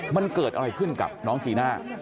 มันเกิดอะไรขึ้นกับน้องจีน่า